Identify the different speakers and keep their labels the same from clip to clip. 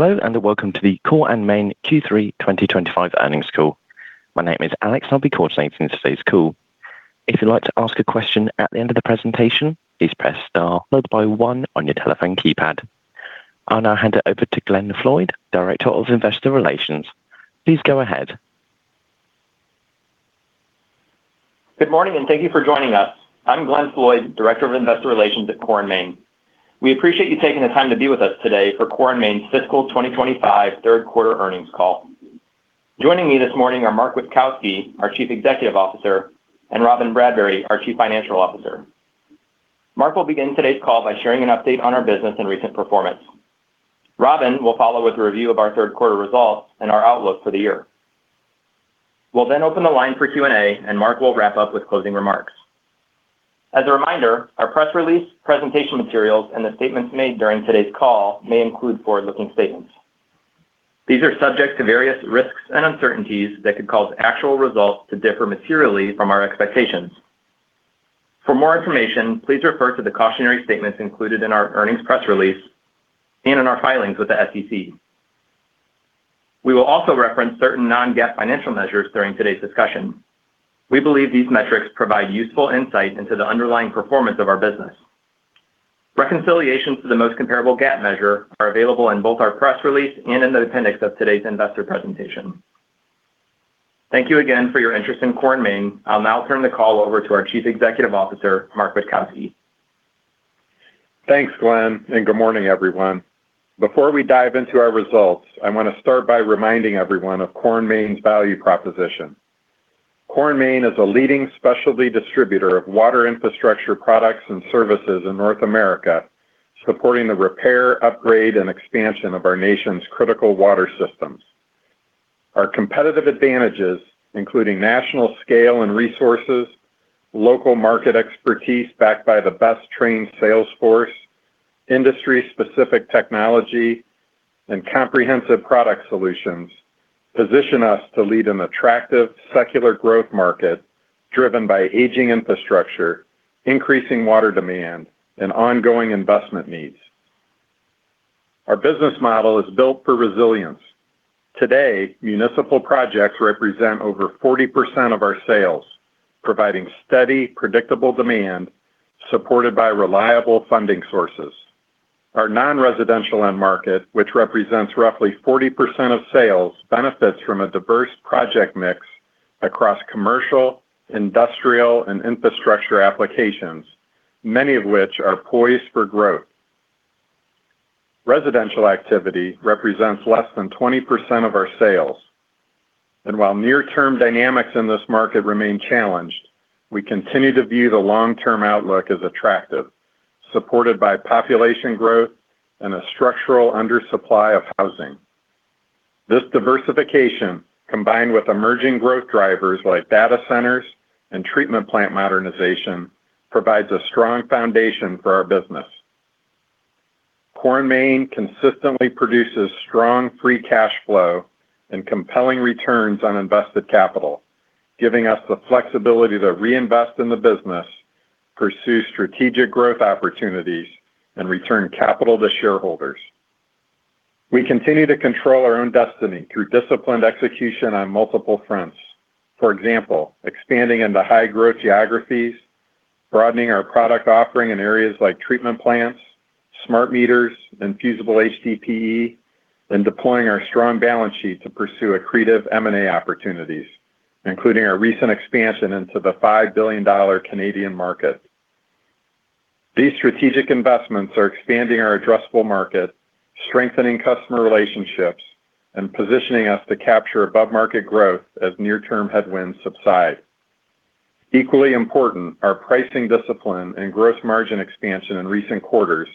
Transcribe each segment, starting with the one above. Speaker 1: Hello and welcome to the Core & Main Q3 2025 earnings call. My name is Alex, and I'll be coordinating today's call. If you'd like to ask a question at the end of the presentation, please press star followed by one on your telephone keypad. I'll now hand it over to Glenn Floyd, Director of Investor Relations. Please go ahead.
Speaker 2: Good morning, and thank you for joining us. I'm Glenn Floyd, Director of Investor Relations at Core & Main. We appreciate you taking the time to be with us today for Core & Main's fiscal 2025 third quarter earnings call. Joining me this morning are Mark Witkowski, our Chief Executive Officer, and Robyn Bradbury, our Chief Financial Officer. Mark will begin today's call by sharing an update on our business and recent performance. Robyn will follow with a review of our third quarter results and our outlook for the year. We'll then open the line for Q&A, and Mark will wrap up with closing remarks. As a reminder, our press release, presentation materials, and the statements made during today's call may include forward-looking statements. These are subject to various risks and uncertainties that could cause actual results to differ materially from our expectations. For more information, please refer to the cautionary statements included in our earnings press release and in our filings with the SEC. We will also reference certain non-GAAP financial measures during today's discussion. We believe these metrics provide useful insight into the underlying performance of our business. Reconciliations to the most comparable GAAP measure are available in both our press release and in the appendix of today's investor presentation. Thank you again for your interest in Core & Main. I'll now turn the call over to our Chief Executive Officer, Mark Witkowski.
Speaker 3: Thanks, Glenn, and good morning, everyone. Before we dive into our results, I want to start by reminding everyone of Core & Main's value proposition. Core & Main is a leading specialty distributor of water infrastructure products and services in North America, supporting the repair, upgrade, and expansion of our nation's critical water systems. Our competitive advantages, including national scale and resources, local market expertise backed by the best-trained salesforce, industry-specific technology, and comprehensive product solutions, position us to lead an attractive secular growth market driven by aging infrastructure, increasing water demand, and ongoing investment needs. Our business model is built for resilience. Today, municipal projects represent over 40% of our sales, providing steady, predictable demand supported by reliable funding sources. Our non-residential end market, which represents roughly 40% of sales, benefits from a diverse project mix across commercial, industrial, and infrastructure applications, many of which are poised for growth. Residential activity represents less than 20% of our sales, and while near-term dynamics in this market remain challenged, we continue to view the long-term outlook as attractive, supported by population growth and a structural undersupply of housing. This diversification, combined with emerging growth drivers like data centers and treatment plant modernization, provides a strong foundation for our business. Core & Main consistently produces strong free cash flow and compelling returns on invested capital, giving us the flexibility to reinvest in the business, pursue strategic growth opportunities, and return capital to shareholders. We continue to control our own destiny through disciplined execution on multiple fronts. For example, expanding into high-growth geographies, broadening our product offering in areas like treatment plants, smart meters, and fusible HDPE, and deploying our strong balance sheet to pursue accretive M&A opportunities, including our recent expansion into the $5 billion Canadian market. These strategic investments are expanding our addressable market, strengthening customer relationships, and positioning us to capture above-market growth as near-term headwinds subside. Equally important, our pricing discipline and gross margin expansion in recent quarters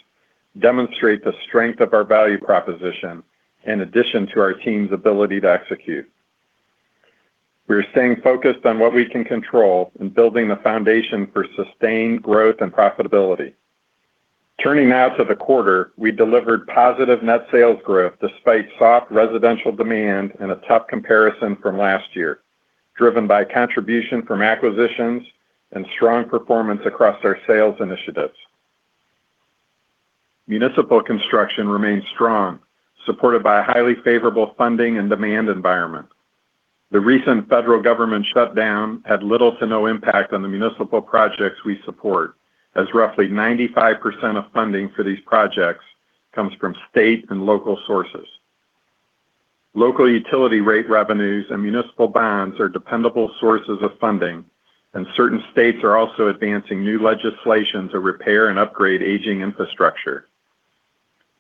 Speaker 3: demonstrate the strength of our value proposition in addition to our team's ability to execute. We are staying focused on what we can control and building the foundation for sustained growth and profitability. Turning now to the quarter, we delivered positive net sales growth despite soft residential demand and a tough comparison from last year, driven by contribution from acquisitions and strong performance across our sales initiatives. Municipal construction remains strong, supported by a highly favorable funding and demand environment. The recent federal government shutdown had little to no impact on the municipal projects we support, as roughly 95% of funding for these projects comes from state and local sources. Local utility rate revenues and municipal bonds are dependable sources of funding, and certain states are also advancing new legislation to repair and upgrade aging infrastructure.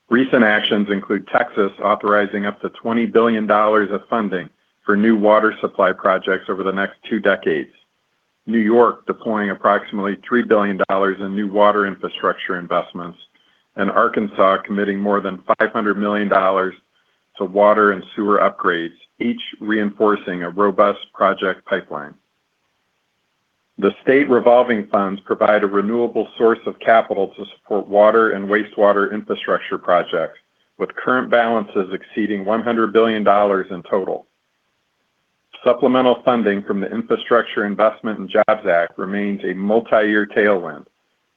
Speaker 3: Recent actions include Texas authorizing up to $20 billion of funding for new water supply projects over the next two decades, New York deploying approximately $3 billion in new water infrastructure investments, and Arkansas committing more than $500 million to water and sewer upgrades, each reinforcing a robust project pipeline. The State Revolving Funds provide a renewable source of capital to support water and wastewater infrastructure projects, with current balances exceeding $100 billion in total. Supplemental funding from the Infrastructure Investment and Jobs Act remains a multi-year tailwind,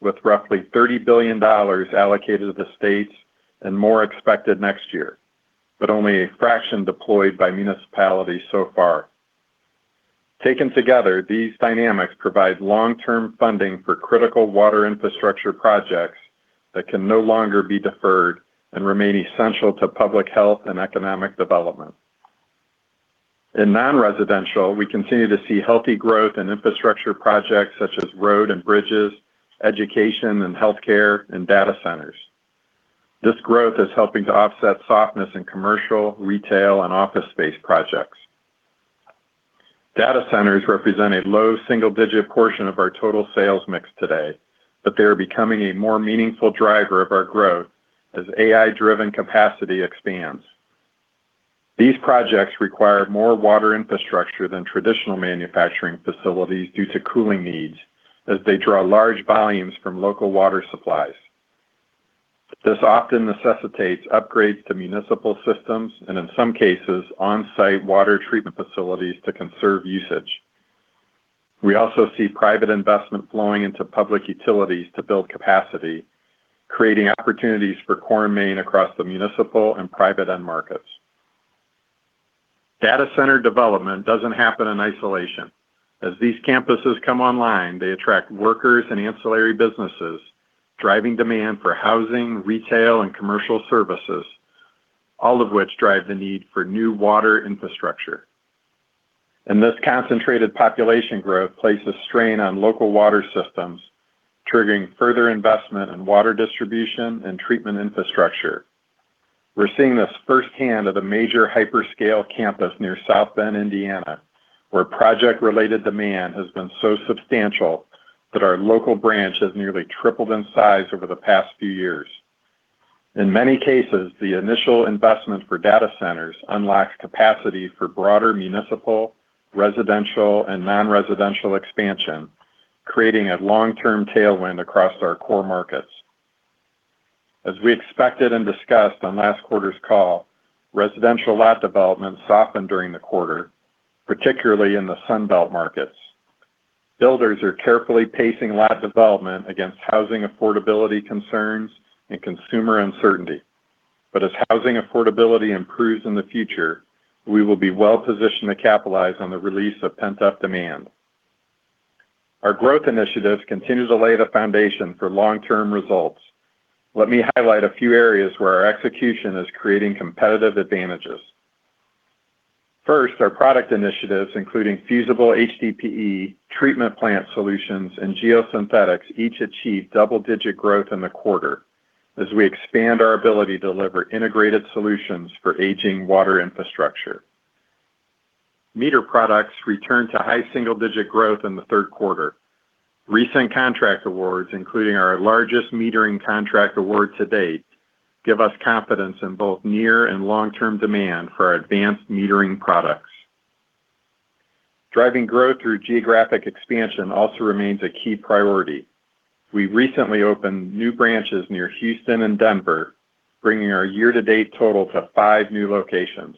Speaker 3: with roughly $30 billion allocated to the states and more expected next year, but only a fraction deployed by municipalities so far. Taken together, these dynamics provide long-term funding for critical water infrastructure projects that can no longer be deferred and remain essential to public health and economic development. In non-residential, we continue to see healthy growth in infrastructure projects such as road and bridges, education and healthcare, and data centers. This growth is helping to offset softness in commercial, retail, and office space projects. Data centers represent a low single-digit portion of our total sales mix today, but they are becoming a more meaningful driver of our growth as AI-driven capacity expands. These projects require more water infrastructure than traditional manufacturing facilities due to cooling needs, as they draw large volumes from local water supplies. This often necessitates upgrades to municipal systems and, in some cases, on-site water treatment facilities to conserve usage. We also see private investment flowing into public utilities to build capacity, creating opportunities for Core & Main across the municipal and private end markets. Data center development doesn't happen in isolation. As these campuses come online, they attract workers and ancillary businesses, driving demand for housing, retail, and commercial services, all of which drive the need for new water infrastructure. This concentrated population growth places strain on local water systems, triggering further investment in water distribution and treatment infrastructure. We're seeing this firsthand at a major hyperscale campus near South Bend, Indiana, where project-related demand has been so substantial that our local branch has nearly tripled in size over the past few years. In many cases, the initial investment for data centers unlocks capacity for broader municipal, residential, and non-residential expansion, creating a long-term tailwind across our core markets. As we expected and discussed on last quarter's call, residential lot development softened during the quarter, particularly in the Sunbelt markets. Builders are carefully pacing lot development against housing affordability concerns and consumer uncertainty. But as housing affordability improves in the future, we will be well-positioned to capitalize on the release of pent-up demand. Our growth initiatives continue to lay the foundation for long-term results. Let me highlight a few areas where our execution is creating competitive advantages. First, our product initiatives, including fusible HDPE, treatment plant solutions, and geosynthetics, each achieved double-digit growth in the quarter as we expand our ability to deliver integrated solutions for aging water infrastructure. Meter products returned to high single-digit growth in the third quarter. Recent contract awards, including our largest metering contract award to date, give us confidence in both near and long-term demand for our advanced metering products. Driving growth through geographic expansion also remains a key priority. We recently opened new branches near Houston and Denver, bringing our year-to-date total to five new locations.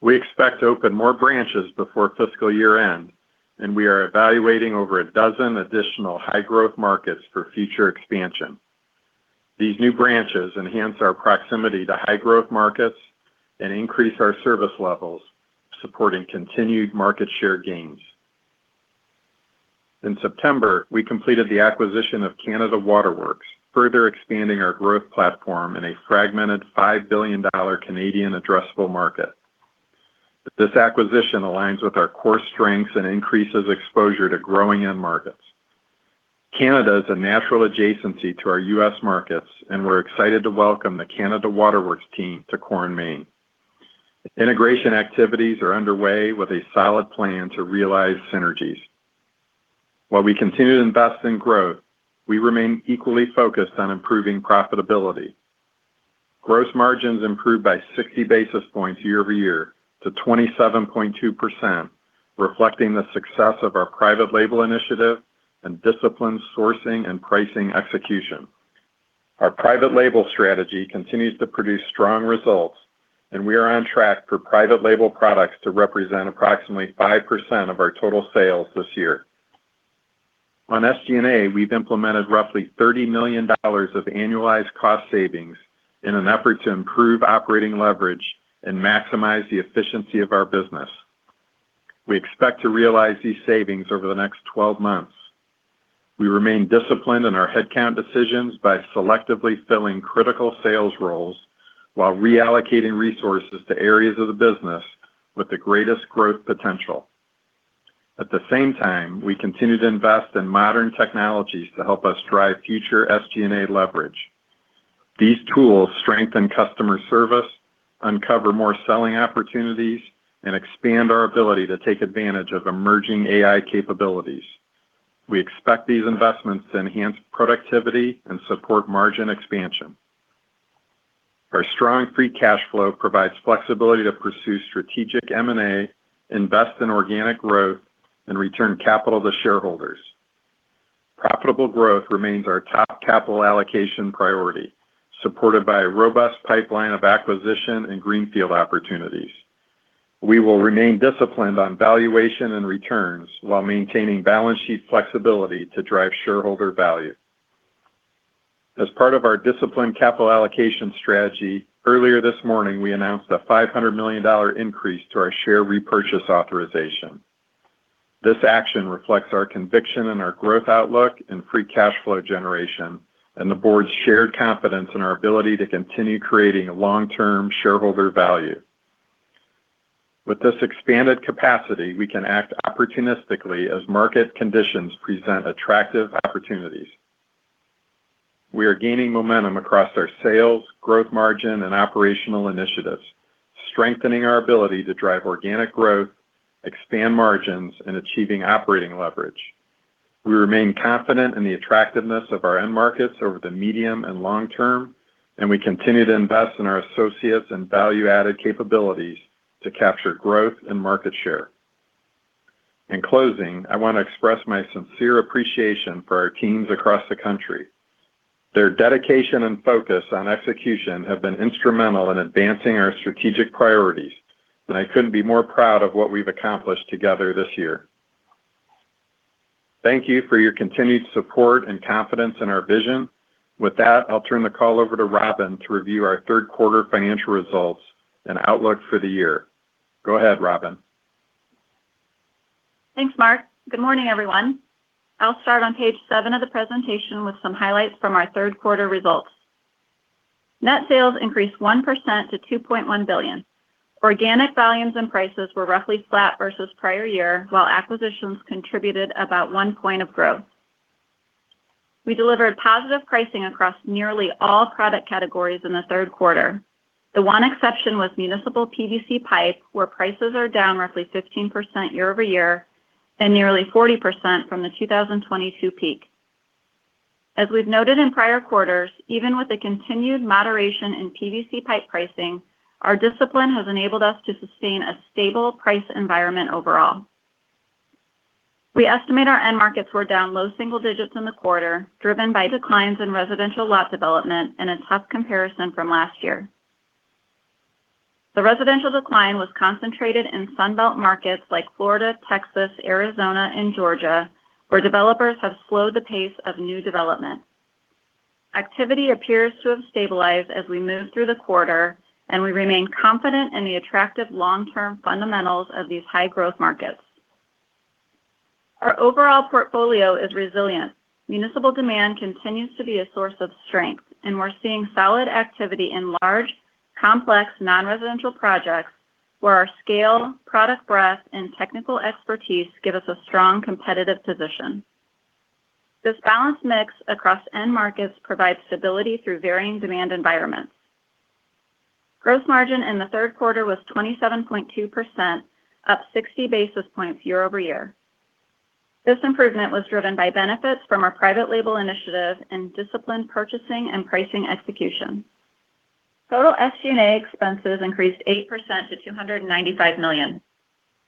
Speaker 3: We expect to open more branches before fiscal year end, and we are evaluating over a dozen additional high-growth markets for future expansion. These new branches enhance our proximity to high-growth markets and increase our service levels, supporting continued market share gains. In September, we completed the acquisition of Canada Waterworks, further expanding our growth platform in a fragmented $5 billion Canadian addressable market. This acquisition aligns with our core strengths and increases exposure to growing end markets. Canada is a natural adjacency to our U.S. markets, and we're excited to welcome the Canada Waterworks team to Core & Main. Integration activities are underway with a solid plan to realize synergies. While we continue to invest in growth, we remain equally focused on improving profitability. Gross margins improved by 60 basis points year-over-year to 27.2%, reflecting the success of our private label initiative and disciplined sourcing and pricing execution. Our private label strategy continues to produce strong results, and we are on track for private label products to represent approximately 5% of our total sales this year. On SG&A, we've implemented roughly $30 million of annualized cost savings in an effort to improve operating leverage and maximize the efficiency of our business. We expect to realize these savings over the next 12 months. We remain disciplined in our headcount decisions by selectively filling critical sales roles while reallocating resources to areas of the business with the greatest growth potential. At the same time, we continue to invest in modern technologies to help us drive future SG&A leverage. These tools strengthen customer service, uncover more selling opportunities, and expand our ability to take advantage of emerging AI capabilities. We expect these investments to enhance productivity and support margin expansion. Our strong free cash flow provides flexibility to pursue strategic M&A, invest in organic growth, and return capital to shareholders. Profitable growth remains our top capital allocation priority, supported by a robust pipeline of acquisition and greenfield opportunities. We will remain disciplined on valuation and returns while maintaining balance sheet flexibility to drive shareholder value. As part of our disciplined capital allocation strategy, earlier this morning, we announced a $500 million increase to our share repurchase authorization. This action reflects our conviction in our growth outlook and free cash flow generation and the board's shared confidence in our ability to continue creating long-term shareholder value. With this expanded capacity, we can act opportunistically as market conditions present attractive opportunities. We are gaining momentum across our sales, growth margin, and operational initiatives, strengthening our ability to drive organic growth, expand margins, and achieve operating leverage. We remain confident in the attractiveness of our end markets over the medium and long term, and we continue to invest in our associates and value-added capabilities to capture growth and market share. In closing, I want to express my sincere appreciation for our teams across the country. Their dedication and focus on execution have been instrumental in advancing our strategic priorities, and I couldn't be more proud of what we've accomplished together this year. Thank you for your continued support and confidence in our vision. With that, I'll turn the call over to Robyn to review our third quarter financial results and outlook for the year. Go ahead, Robyn.
Speaker 4: Thanks, Mark. Good morning, everyone. I'll start on page seven of the presentation with some highlights from our third quarter results. Net sales increased 1% to $2.1 billion. Organic volumes and prices were roughly flat versus prior year, while acquisitions contributed about one point of growth. We delivered positive pricing across nearly all product categories in the third quarter. The one exception was municipal PVC pipe, where prices are down roughly 15% year-over-year and nearly 40% from the 2022 peak. As we've noted in prior quarters, even with the continued moderation in PVC pipe pricing, our discipline has enabled us to sustain a stable price environment overall. We estimate our end markets were down low single digits in the quarter, driven by declines in residential lot development and a tough comparison from last year. The residential decline was concentrated in Sunbelt markets like Florida, Texas, Arizona, and Georgia, where developers have slowed the pace of new development. Activity appears to have stabilized as we move through the quarter, and we remain confident in the attractive long-term fundamentals of these high-growth markets. Our overall portfolio is resilient. Municipal demand continues to be a source of strength, and we're seeing solid activity in large, complex non-residential projects where our scale, product breadth, and technical expertise give us a strong competitive position. This balanced mix across end markets provides stability through varying demand environments. Gross margin in the third quarter was 27.2%, up 60 basis points year-over-year. This improvement was driven by benefits from our private label initiative and disciplined purchasing and pricing execution. Total SG&A expenses increased 8% to $295 million.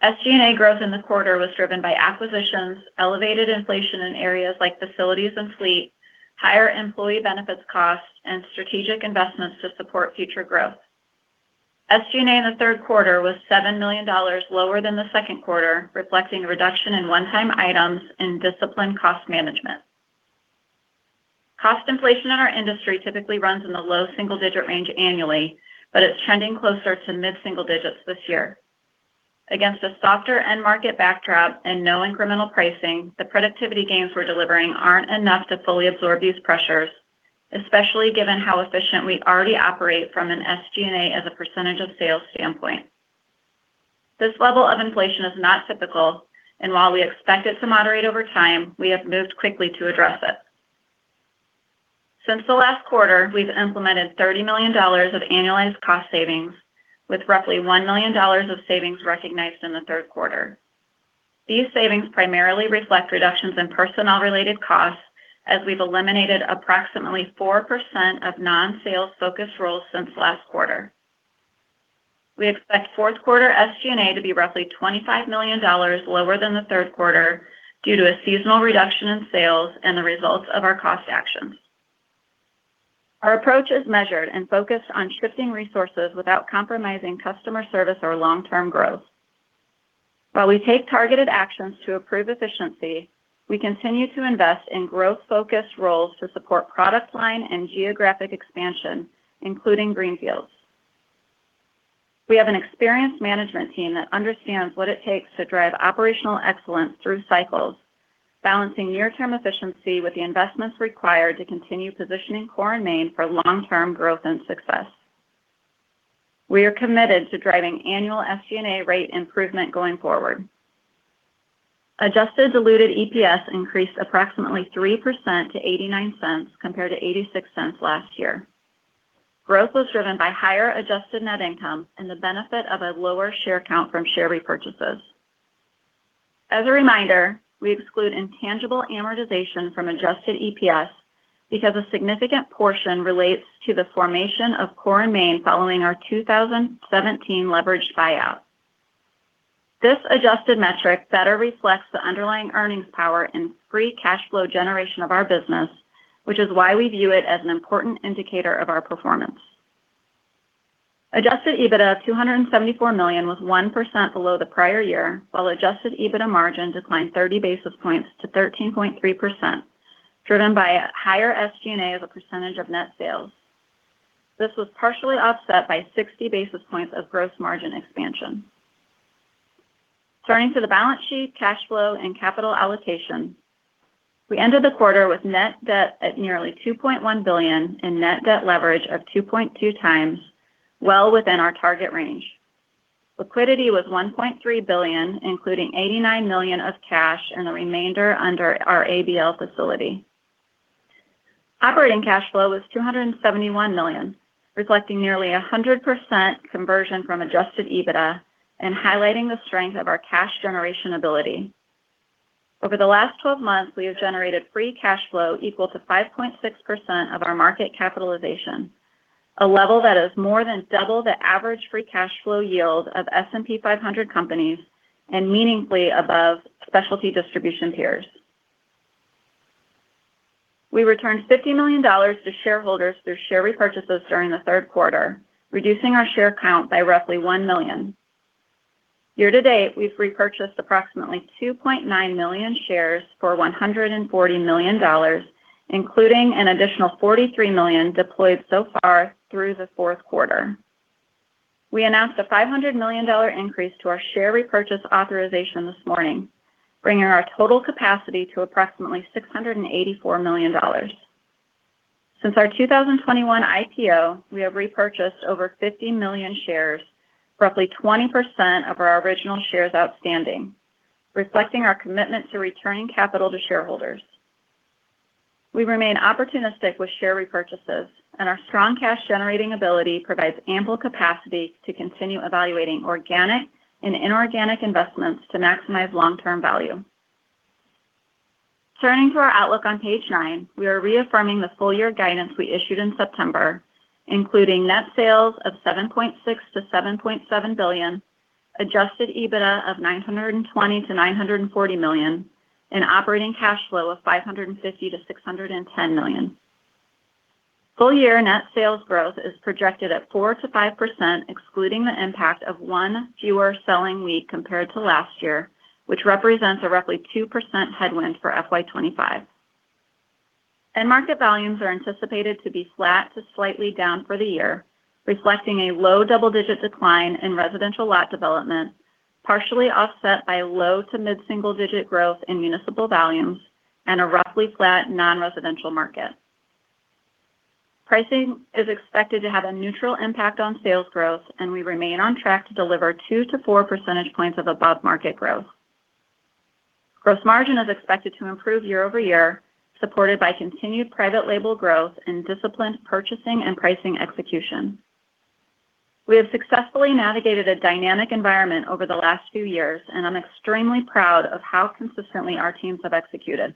Speaker 4: SG&A growth in the quarter was driven by acquisitions, elevated inflation in areas like facilities and fleet, higher employee benefits costs, and strategic investments to support future growth. SG&A in the third quarter was $7 million lower than the second quarter, reflecting a reduction in one-time items and disciplined cost management. Cost inflation in our industry typically runs in the low single-digit range annually, but it's trending closer to mid-single digits this year. Against a softer end market backdrop and no incremental pricing, the productivity gains we're delivering aren't enough to fully absorb these pressures, especially given how efficient we already operate from an SG&A as a percentage of sales standpoint. This level of inflation is not typical, and while we expect it to moderate over time, we have moved quickly to address it. Since the last quarter, we've implemented $30 million of annualized cost savings, with roughly $1 million of savings recognized in the third quarter. These savings primarily reflect reductions in personnel-related costs as we've eliminated approximately 4% of non-sales-focused roles since last quarter. We expect fourth quarter SG&A to be roughly $25 million lower than the third quarter due to a seasonal reduction in sales and the results of our cost actions. Our approach is measured and focused on shifting resources without compromising customer service or long-term growth. While we take targeted actions to improve efficiency, we continue to invest in growth-focused roles to support product line and geographic expansion, including greenfields. We have an experienced management team that understands what it takes to drive operational excellence through cycles, balancing near-term efficiency with the investments required to continue positioning Core & Main for long-term growth and success. We are committed to driving annual SG&A rate improvement going forward. Adjusted Diluted EPS increased approximately 3% to $0.89 compared to $0.86 last year. Growth was driven by higher adjusted net income and the benefit of a lower share count from share repurchases. As a reminder, we exclude intangible amortization from adjusted EPS because a significant portion relates to the formation of Core & Main following our 2017 leveraged buyout. This adjusted metric better reflects the underlying earnings power and free cash flow generation of our business, which is why we view it as an important indicator of our performance. Adjusted EBITDA of $274 million was 1% below the prior year, while adjusted EBITDA margin declined 30 basis points to 13.3%, driven by a higher SG&A as a percentage of net sales. This was partially offset by 60 basis points of gross margin expansion. Turning to the balance sheet, cash flow, and capital allocation, we ended the quarter with net debt at nearly $2.1 billion and net debt leverage of 2.2 times, well within our target range. Liquidity was $1.3 billion, including $89 million of cash and the remainder under our ABL facility. Operating cash flow was $271 million, reflecting nearly 100% conversion from adjusted EBITDA and highlighting the strength of our cash generation ability. Over the last 12 months, we have generated free cash flow equal to 5.6% of our market capitalization, a level that is more than double the average free cash flow yield of S&P 500 companies and meaningfully above specialty distribution peers. We returned $50 million to shareholders through share repurchases during the third quarter, reducing our share count by roughly one million. Year-to-date, we've repurchased approximately 2.9 million shares for $140 million, including an additional $43 million deployed so far through the fourth quarter. We announced a $500 million increase to our share repurchase authorization this morning, bringing our total capacity to approximately $684 million. Since our 2021 IPO, we have repurchased over 50 million shares, roughly 20% of our original shares outstanding, reflecting our commitment to returning capital to shareholders. We remain opportunistic with share repurchases, and our strong cash-generating ability provides ample capacity to continue evaluating organic and inorganic investments to maximize long-term value. Turning to our outlook on page nine, we are reaffirming the full-year guidance we issued in September, including net sales of $7.6-$7.7 billion, Adjusted EBITDA of $920-$940 million, and operating cash flow of $550-$610 million. Full-year net sales growth is projected at 4%-5%, excluding the impact of one fewer selling week compared to last year, which represents a roughly 2% headwind for FY 2025. End market volumes are anticipated to be flat to slightly down for the year, reflecting a low double-digit decline in residential lot development, partially offset by low to mid-single digit growth in municipal volumes and a roughly flat non-residential market. Pricing is expected to have a neutral impact on sales growth, and we remain on track to deliver 2%-4% points of above-market growth. Gross margin is expected to improve year-over-year, supported by continued private label growth and disciplined purchasing and pricing execution. We have successfully navigated a dynamic environment over the last few years, and I'm extremely proud of how consistently our teams have executed.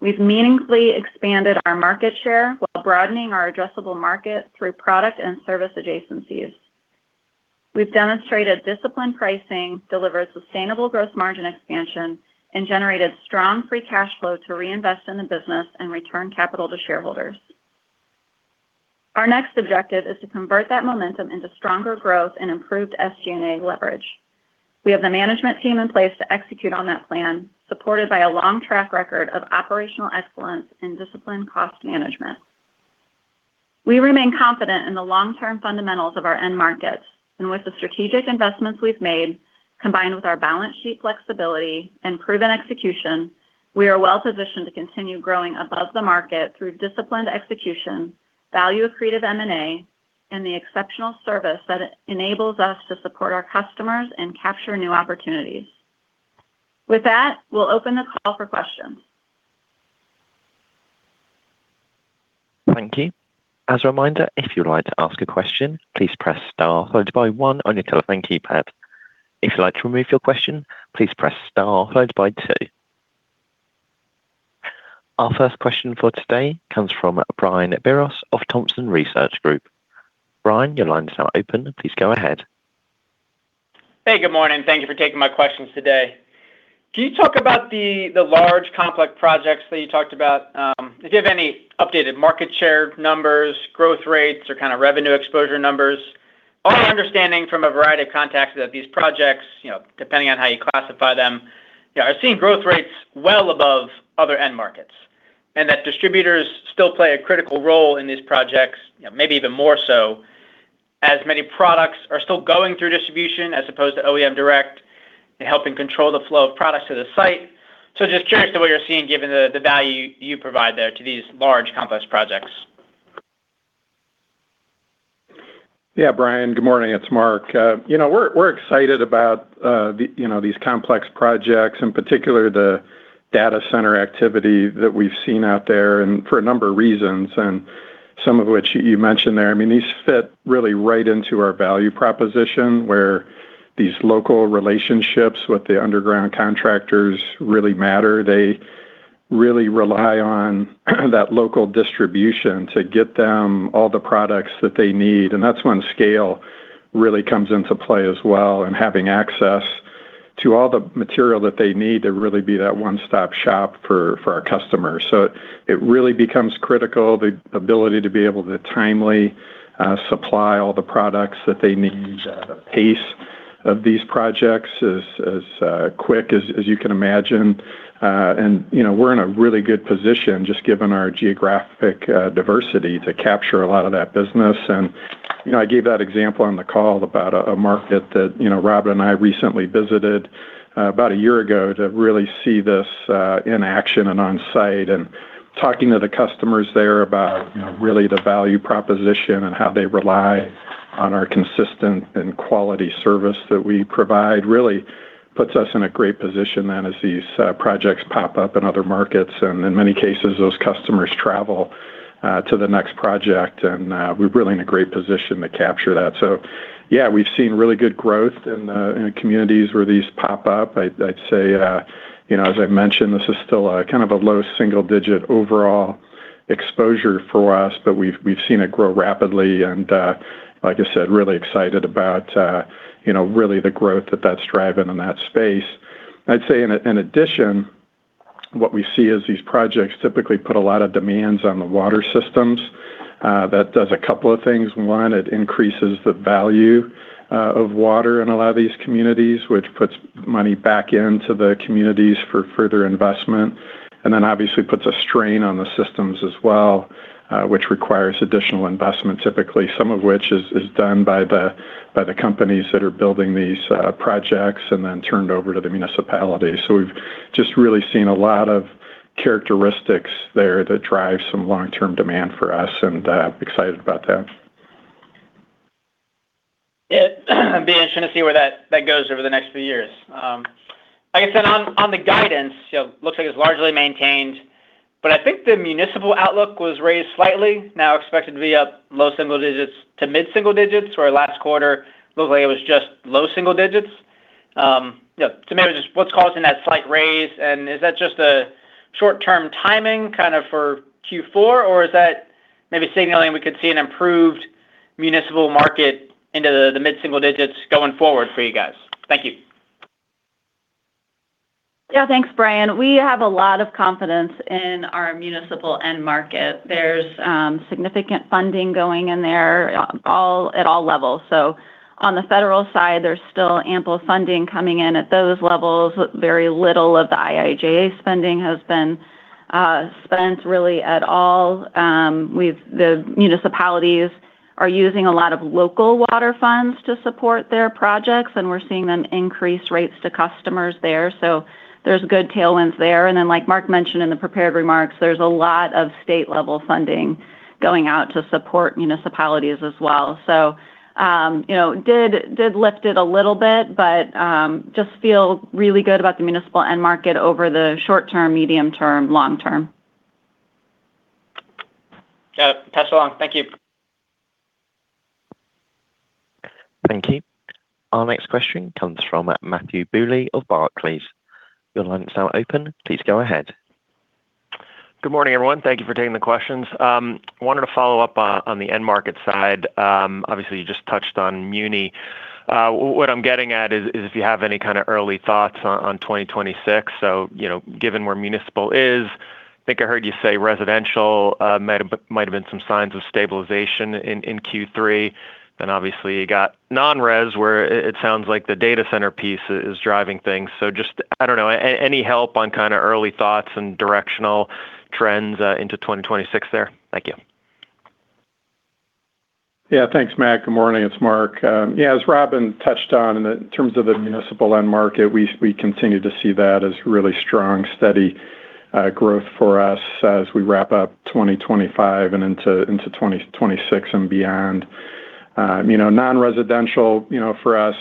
Speaker 4: We've meaningfully expanded our market share while broadening our addressable market through product and service adjacencies. We've demonstrated disciplined pricing, delivered sustainable gross margin expansion, and generated strong free cash flow to reinvest in the business and return capital to shareholders. Our next objective is to convert that momentum into stronger growth and improved SG&A leverage. We have the management team in place to execute on that plan, supported by a long track record of operational excellence and disciplined cost management. We remain confident in the long-term fundamentals of our end markets, and with the strategic investments we've made, combined with our balance sheet flexibility and proven execution, we are well positioned to continue growing above the market through disciplined execution, value-accretive M&A, and the exceptional service that enables us to support our customers and capture new opportunities. With that, we'll open the call for questions.
Speaker 1: Thank you. As a reminder, if you'd like to ask a question, please press star followed by one on your telephone keypad. If you'd like to remove your question, please press star followed by two. Our first question for today comes from Brian Biros of Thompson Research Group. Brian, your line is now open. Please go ahead.
Speaker 5: Hey, good morning. Thank you for taking my questions today. Can you talk about the large, complex projects that you talked about? If you have any updated market share numbers, growth rates, or kind of revenue exposure numbers, our understanding from a variety of contacts is that these projects, depending on how you classify them, are seeing growth rates well above other end markets and that distributors still play a critical role in these projects, maybe even more so, as many products are still going through distribution as opposed to OEM direct and helping control the flow of products to the site. So just curious to what you're seeing given the value you provide there to these large, complex projects.
Speaker 3: Yeah, Brian, good morning. It's Mark. We're excited about these complex projects, in particular the data center activity that we've seen out there for a number of reasons, and some of which you mentioned there. I mean, these fit really right into our value proposition where these local relationships with the underground contractors really matter. They really rely on that local distribution to get them all the products that they need. And that's when scale really comes into play as well and having access to all the material that they need to really be that one-stop shop for our customers. So it really becomes critical the ability to be able to timely supply all the products that they need, the pace of these projects as quick as you can imagine. And we're in a really good position just given our geographic diversity to capture a lot of that business. And I gave that example on the call about a market that Robyn and I recently visited about a year ago to really see this in action and on-site. Talking to the customers there about really the value proposition and how they rely on our consistent and quality service that we provide really puts us in a great position then as these projects pop up in other markets. In many cases, those customers travel to the next project, and we're really in a great position to capture that. Yeah, we've seen really good growth in communities where these pop up. I'd say, as I mentioned, this is still kind of a low single-digit overall exposure for us, but we've seen it grow rapidly. Like I said, really excited about really the growth that that's driving in that space. I'd say in addition, what we see is these projects typically put a lot of demands on the water systems. That does a couple of things. One, it increases the value of water in a lot of these communities, which puts money back into the communities for further investment, and then obviously puts a strain on the systems as well, which requires additional investment, typically some of which is done by the companies that are building these projects and then turned over to the municipalities. So we've just really seen a lot of characteristics there that drive some long-term demand for us, and I'm excited about that.
Speaker 5: It'll be interesting to see where that goes over the next few years. Like I said, on the guidance, it looks like it's largely maintained, but I think the municipal outlook was raised slightly, now expected to be up low single digits to mid-single digits where last quarter looked like it was just low single digits. To me, it was just what's causing that slight raise. Is that just a short-term timing kind of for Q4, or is that maybe signaling we could see an improved municipal market into the mid-single digits going forward for you guys? Thank you.
Speaker 4: Yeah, thanks, Brian. We have a lot of confidence in our municipal end market. There's significant funding going in there at all levels. So on the federal side, there's still ample funding coming in at those levels. Very little of the IIJA spending has been spent really at all. The municipalities are using a lot of local water funds to support their projects, and we're seeing them increase rates to customers there. So there's good tailwinds there. And then, like Mark mentioned in the prepared remarks, there's a lot of state-level funding going out to support municipalities as well. So did lift it a little bit, but just feel really good about the municipal end market over the short-term, medium-term, long-term.
Speaker 5: Got it. Pass it along. Thank you.
Speaker 1: Thank you. Our next question comes from Matthew Bouley of Barclays. Your line is now open. Please go ahead.
Speaker 6: Good morning, everyone. Thank you for taking the questions. I wanted to follow up on the end market side. Obviously, you just touched on muni. What I'm getting at is if you have any kind of early thoughts on 2026. So given where municipal is, I think I heard you say residential might have been some signs of stabilization in Q3. Then obviously, you got non-res where it sounds like the data center piece is driving things. So just, I don't know, any help on kind of early thoughts and directional trends into 2026 there? Thank you.
Speaker 3: Yeah, thanks, Matt. Good morning. It's Mark. Yeah, as Robyn touched on, in terms of the municipal end market, we continue to see that as really strong, steady growth for us as we wrap up 2025 and into 2026 and beyond. Non-residential for us,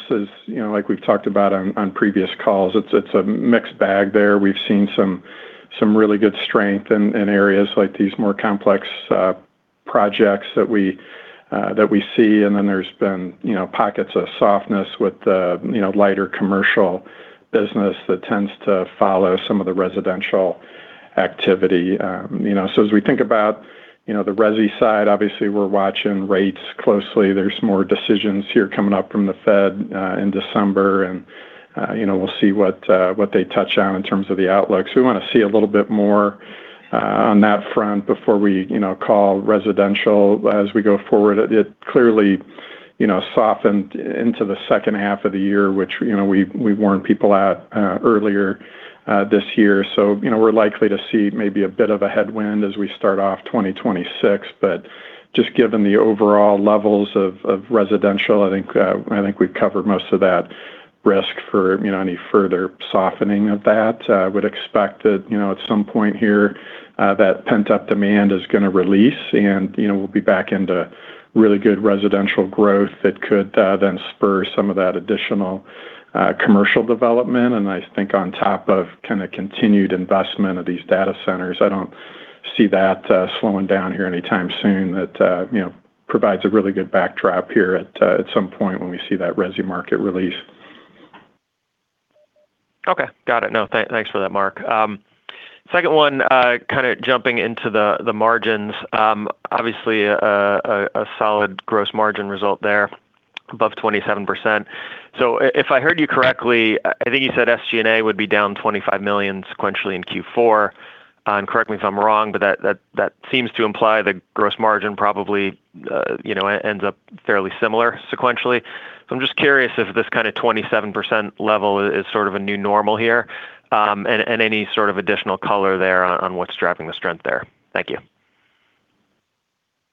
Speaker 3: like we've talked about on previous calls, it's a mixed bag there. We've seen some really good strength in areas like these more complex projects that we see. And then there's been pockets of softness with lighter commercial business that tends to follow some of the residential activity. So as we think about the resi side, obviously, we're watching rates closely. There's more decisions here coming up from the Fed in December, and we'll see what they touch on in terms of the outlook. So we want to see a little bit more on that front before we call residential as we go forward. It clearly softened into the second half of the year, which we warned people at earlier this year. So we're likely to see maybe a bit of a headwind as we start off 2026. But just given the overall levels of residential, I think we've covered most of that risk for any further softening of that. I would expect that at some point here, that pent-up demand is going to release, and we'll be back into really good residential growth that could then spur some of that additional commercial development. And I think on top of kind of continued investment of these data centers, I don't see that slowing down here anytime soon. That provides a really good backdrop here at some point when we see that resi market release.
Speaker 6: Okay. Got it. No, thanks for that, Mark. Second one, kind of jumping into the margins, obviously a solid gross margin result there, above 27%. So if I heard you correctly, I think you said SG&A would be down $25 million sequentially in Q4. And correct me if I'm wrong, but that seems to imply the gross margin probably ends up fairly similar sequentially. So I'm just curious if this kind of 27% level is sort of a new normal here and any sort of additional color there on what's driving the strength there. Thank you.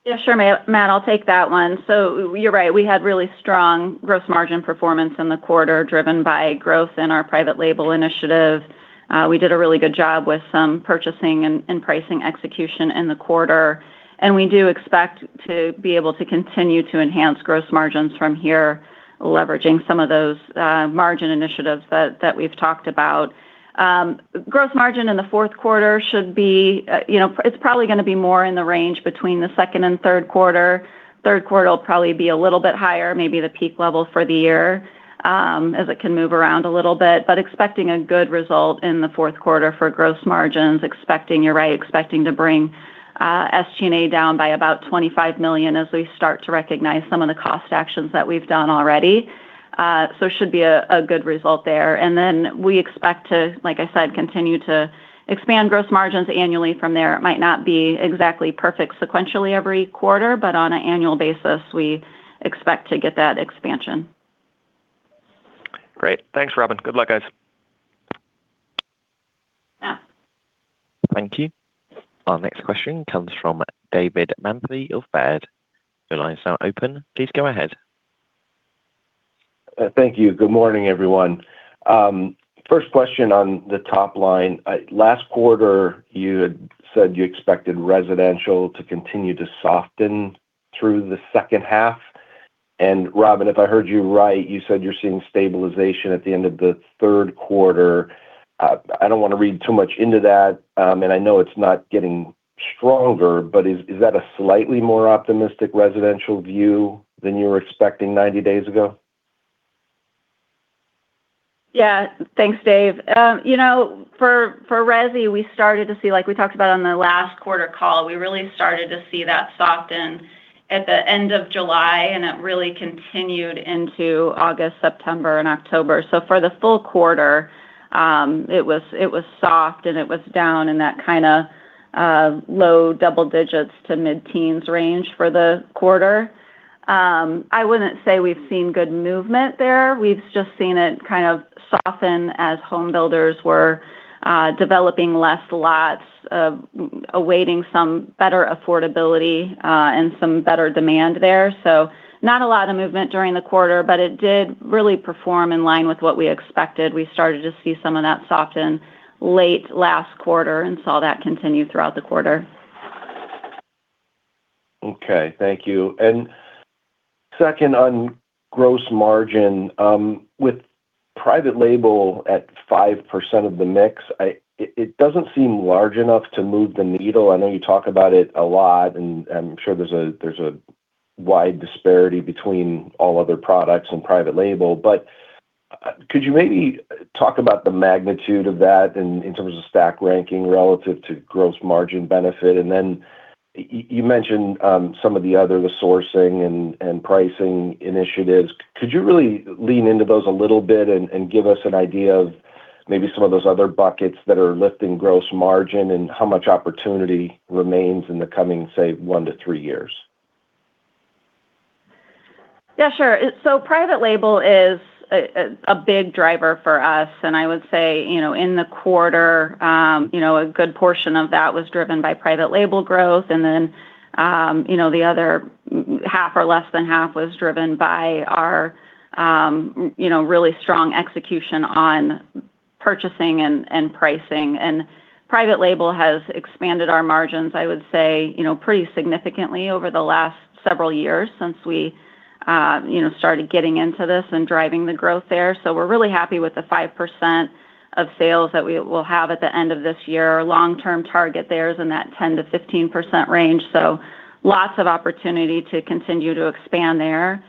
Speaker 4: Yeah, sure, Matt. I'll take that one. So you're right. We had really strong gross margin performance in the quarter driven by growth in our private label initiative. We did a really good job with some purchasing and pricing execution in the quarter. We do expect to be able to continue to enhance gross margins from here, leveraging some of those margin initiatives that we've talked about. Gross margin in the fourth quarter should be, it's probably going to be more in the range between the second and third quarter. Third quarter will probably be a little bit higher, maybe the peak level for the year, as it can move around a little bit. But expecting a good result in the fourth quarter for gross margins, expecting you're right, expecting to bring SG&A down by about $25 million as we start to recognize some of the cost actions that we've done already. So it should be a good result there. And then we expect to, like I said, continue to expand gross margins annually from there. It might not be exactly perfect sequentially every quarter, but on an annual basis, we expect to get that expansion.
Speaker 6: Great. Thanks, Robyn. Good luck, guys.
Speaker 1: Thank you. Our next question comes from David Manthey of Baird. Your line is now open. Please go ahead.
Speaker 7: Thank you. Good morning, everyone. First question on the top line. Last quarter, you had said you expected residential to continue to soften through the second half. And Robyn, if I heard you right, you said you're seeing stabilization at the end of the third quarter. I don't want to read too much into that, and I know it's not getting stronger, but is that a slightly more optimistic residential view than you were expecting 90 days ago?
Speaker 4: Yeah. Thanks, Dave. For resi, we started to see, like we talked about on the last quarter call, we really started to see that soften at the end of July, and it really continued into August, September, and October. So for the full quarter, it was soft, and it was down in that kind of low double digits to mid-teens range for the quarter. I wouldn't say we've seen good movement there. We've just seen it kind of soften as homebuilders were developing less lots, awaiting some better affordability and some better demand there. So not a lot of movement during the quarter, but it did really perform in line with what we expected. We started to see some of that soften late last quarter and saw that continue throughout the quarter.
Speaker 7: Okay. Thank you. Second on gross margin, with private label at 5% of the mix, it doesn't seem large enough to move the needle. I know you talk about it a lot, and I'm sure there's a wide disparity between all other products and private label. But could you maybe talk about the magnitude of that in terms of stack ranking relative to gross margin benefit? And then you mentioned some of the other sourcing and pricing initiatives. Could you really lean into those a little bit and give us an idea of maybe some of those other buckets that are lifting gross margin and how much opportunity remains in the coming, say, one to three years?
Speaker 4: Yeah, sure. Private label is a big driver for us. And I would say in the quarter, a good portion of that was driven by private label growth. And then the other half or less than half was driven by our really strong execution on purchasing and pricing. And private label has expanded our margins, I would say, pretty significantly over the last several years since we started getting into this and driving the growth there. So we're really happy with the 5% of sales that we will have at the end of this year. Our long-term target there is in that 10%-15% range. So lots of opportunity to continue to expand there.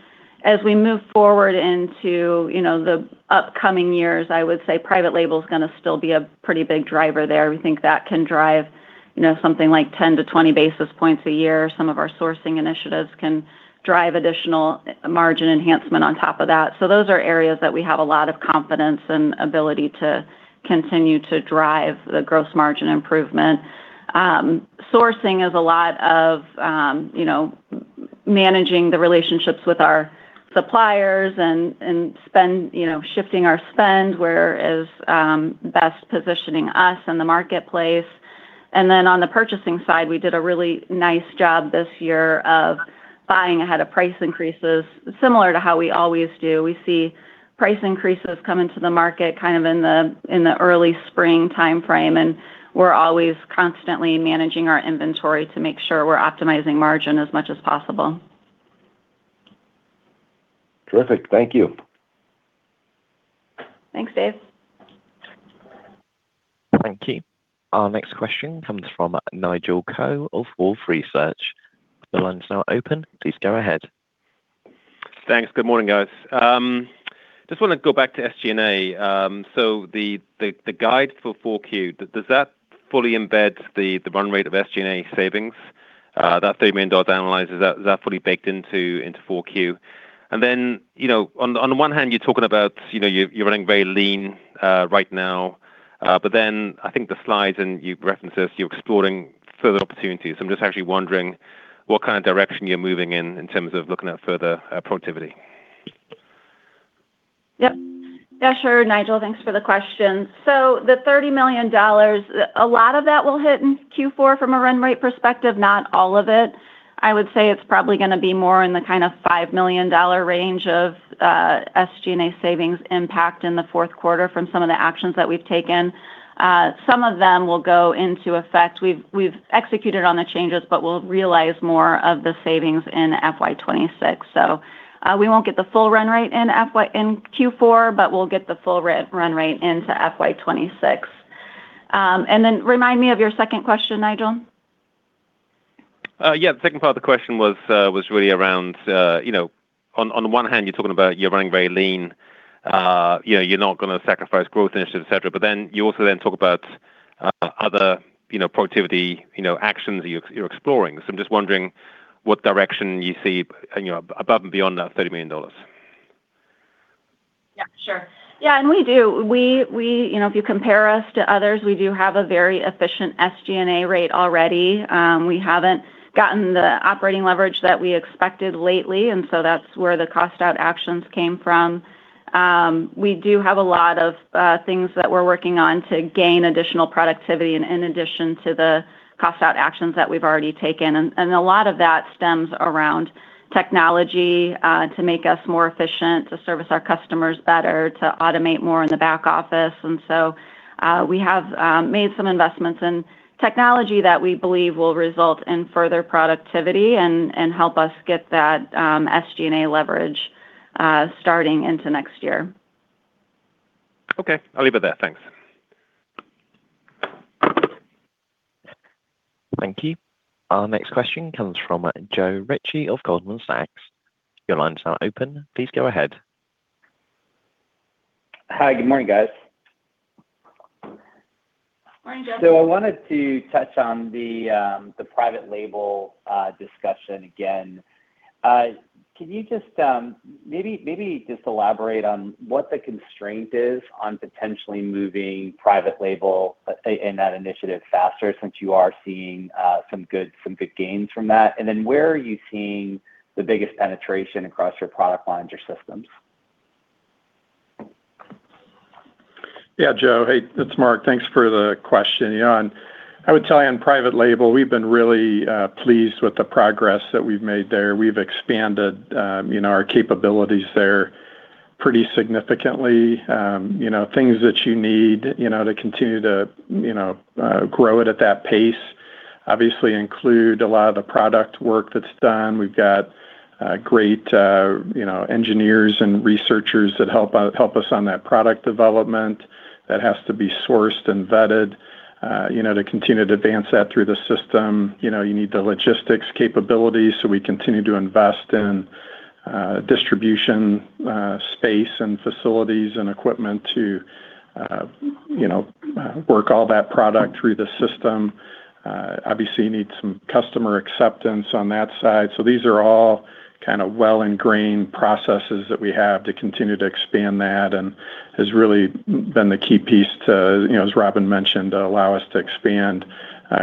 Speaker 4: As we move forward into the upcoming years, I would say private label is going to still be a pretty big driver there. We think that can drive something like 10-20 basis points a year. Some of our sourcing initiatives can drive additional margin enhancement on top of that. Those are areas that we have a lot of confidence and ability to continue to drive the gross margin improvement. Sourcing is a lot of managing the relationships with our suppliers and shifting our spend, which best positions us in the marketplace. And then on the purchasing side, we did a really nice job this year of buying ahead of price increases, similar to how we always do. We see price increases come into the market kind of in the early spring timeframe, and we're always constantly managing our inventory to make sure we're optimizing margin as much as possible.
Speaker 7: Terrific. Thank you.
Speaker 4: Thanks, Dave.
Speaker 1: Thank you. Our next question comes from Nigel Coe of Wolfe Research. The line is now open. Please go ahead.
Speaker 8: Thanks. Good morning, guys. Just want to go back to SG&A. So the guide for 4Q, does that fully embed the run rate of SG&A savings, that $30 million down the line, is that fully baked into 4Q? And then on the one hand, you're talking about you running very lean right now. But then I think the slides and you referenced this, you're exploring further opportunities. So I'm just actually wondering what kind of direction you're moving in terms of looking at further productivity.
Speaker 4: Yep. Yeah, sure. Nigel, thanks for the question. So the $30 million, a lot of that will hit in Q4 from a run rate perspective, not all of it. I would say it's probably going to be more in the kind of $5 million range of SG&A savings impact in the fourth quarter from some of the actions that we've taken. Some of them will go into effect. We've executed on the changes, but we'll realize more of the savings in FY 2026. So we won't get the full run rate in Q4, but we'll get the full run rate into FY 2026. And then remind me of your second question, Nigel.
Speaker 8: Yeah. The second part of the question was really around, on the one hand, you're talking about you're running very lean. You're not going to sacrifice growth initiatives, etc. But then you also then talk about other productivity actions that you're exploring. So I'm just wondering what direction you see above and beyond that $30 million.
Speaker 4: Yeah, sure. Yeah. And we do. If you compare us to others, we do have a very efficient SG&A rate already. We haven't gotten the operating leverage that we expected lately, and so that's where the cost-out actions came from. We do have a lot of things that we're working on to gain additional productivity in addition to the cost-out actions that we've already taken. And a lot of that stems around technology to make us more efficient, to service our customers better, to automate more in the back office. And so we have made some investments in technology that we believe will result in further productivity and help us get that SG&A leverage starting into next year.
Speaker 8: Okay. I'll leave it there. Thanks. Thank you. Our next question comes from Joe Ritchie of Goldman Sachs. Your line is now open. Please go ahead.
Speaker 9: Hi. Good morning, guys.
Speaker 4: Morning, Joe.
Speaker 9: So I wanted to touch on the private label discussion again. Can you just maybe elaborate on what the constraint is on potentially moving private label in that initiative faster since you are seeing some good gains from that? And then where are you seeing the biggest penetration across your product lines or systems?
Speaker 3: Yeah, Joe. Hey, it's Mark. Thanks for the question. Yeah. And I would tell you on private label, we've been really pleased with the progress that we've made there. We've expanded our capabilities there pretty significantly. Things that you need to continue to grow it at that pace obviously include a lot of the product work that's done. We've got great engineers and researchers that help us on that product development that has to be sourced and vetted to continue to advance that through the system. You need the logistics capabilities so we continue to invest in distribution space and facilities and equipment to work all that product through the system. Obviously, you need some customer acceptance on that side. So, these are all kind of well-ingrained processes that we have to continue to expand that and has really been the key piece to, as Robyn mentioned, to allow us to expand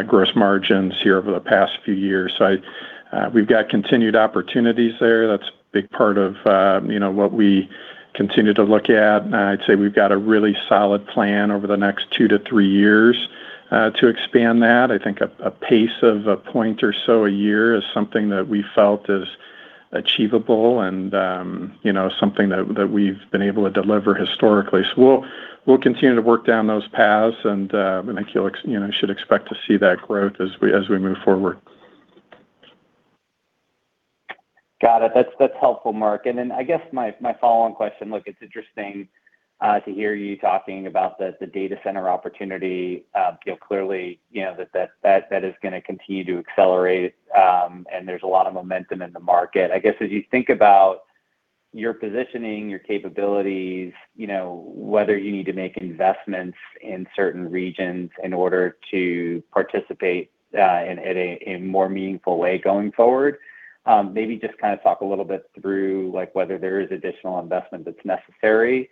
Speaker 3: gross margins here over the past few years. So, we've got continued opportunities there. That's a big part of what we continue to look at. I'd say we've got a really solid plan over the next two to three years to expand that. I think a pace of a point or so a year is something that we felt is achievable and something that we've been able to deliver historically. So, we'll continue to work down those paths, and I think you should expect to see that growth as we move forward.
Speaker 9: Got it. That's helpful, Mark. And then, I guess my following question. Look, it's interesting to hear you talking about the data center opportunity. Clearly, that is going to continue to accelerate, and there's a lot of momentum in the market. I guess as you think about your positioning, your capabilities, whether you need to make investments in certain regions in order to participate in a more meaningful way going forward, maybe just kind of talk a little bit through whether there is additional investment that's necessary.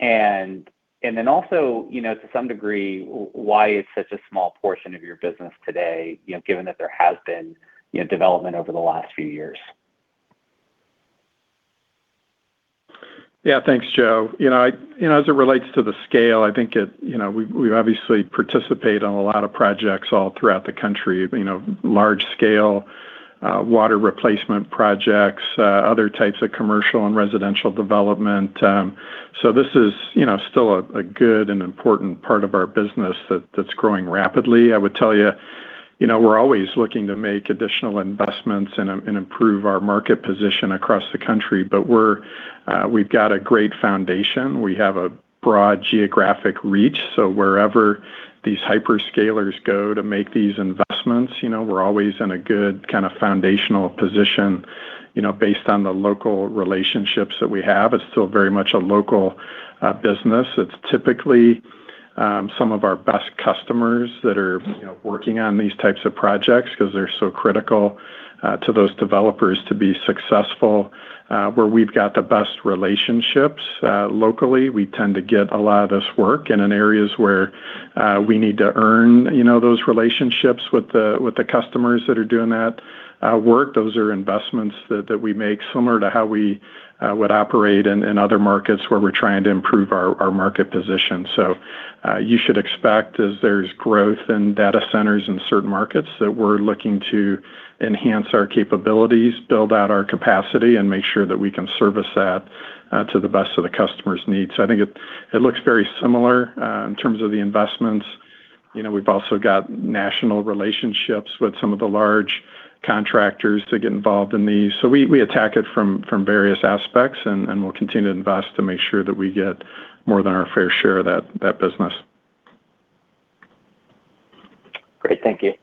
Speaker 9: And then also, to some degree, why it's such a small portion of your business today, given that there has been development over the last few years.
Speaker 3: Yeah. Thanks, Joe. As it relates to the scale, I think we obviously participate on a lot of projects all throughout the country, large-scale water replacement projects, other types of commercial and residential development. So this is still a good and important part of our business that's growing rapidly. I would tell you we're always looking to make additional investments and improve our market position across the country, but we've got a great foundation. We have a broad geographic reach. So wherever these hyperscalers go to make these investments, we're always in a good kind of foundational position based on the local relationships that we have. It's still very much a local business. It's typically some of our best customers that are working on these types of projects because they're so critical to those developers to be successful. Where we've got the best relationships locally, we tend to get a lot of this work in areas where we need to earn those relationships with the customers that are doing that work. Those are investments that we make similar to how we would operate in other markets where we're trying to improve our market position. So you should expect, as there's growth in data centers in certain markets, that we're looking to enhance our capabilities, build out our capacity, and make sure that we can service that to the best of the customer's needs. So I think it looks very similar in terms of the investments. We've also got national relationships with some of the large contractors to get involved in these. So we attack it from various aspects, and we'll continue to invest to make sure that we get more than our fair share of that business.
Speaker 9: Great. Thank you.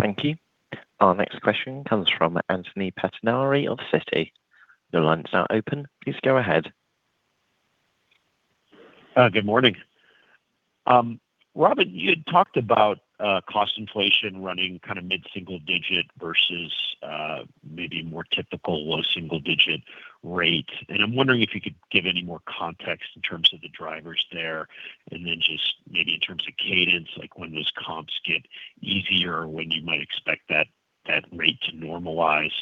Speaker 1: Thank you. Our next question comes from Anthony Pettinari of Citi. Your line is now open. Please go ahead.
Speaker 10: Good morning. Robyn, you had talked about cost inflation running kind of mid-single digit versus maybe more typical low-single digit rate. I'm wondering if you could give any more context in terms of the drivers there, and then just maybe in terms of cadence, like when those comps get easier, when you might expect that rate to normalize,